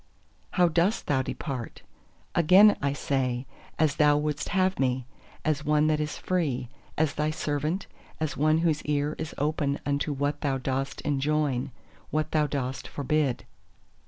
"How dost thou depart?" Again I say, as Thou wouldst have me; as one that is free, as Thy servant, as one whose ear is open unto what Thou dost enjoin, what Thou dost forbid.